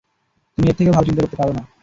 তুমি এর থেকেও ভালো চিন্তা করতে পারো।